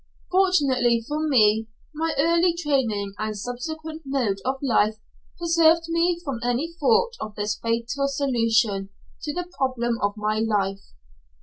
Fortunately for me, my early training and subsequent mode of life preserved me from any thought of this fatal solution to the problem of my life.